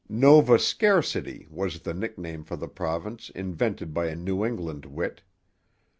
'Nova Scarcity' was the nickname for the province invented by a New England wit.